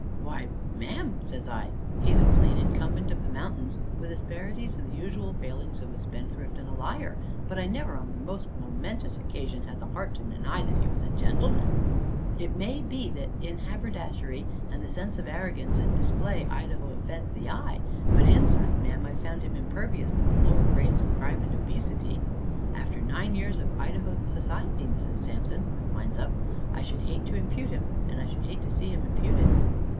"Why ma'am," says I, "he's a plain incumbent of the mountains, with asperities and the usual failings of a spendthrift and a liar, but I never on the most momentous occasion had the heart to deny that he was a gentleman. It may be that in haberdashery and the sense of arrogance and display Idaho offends the eye, but inside, ma'am, I've found him impervious to the lower grades of crime and obesity. After nine years of Idaho's society, Mrs. Sampson," I winds up, "I should hate to impute him, and I should hate to see him imputed."